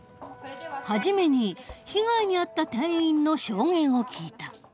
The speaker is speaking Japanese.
初めに被害に遭った店員の証言を聞いた。